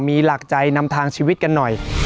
มีหลักใจนำทางชีวิตกันหน่อย